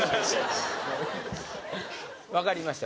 分かりました